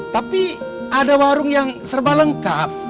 tapi ada warung yang serba lengkap